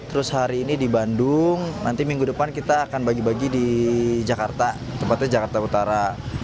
terus hari ini di bandung nanti minggu depan kita akan bagi bagi di jakarta tempatnya jakarta utara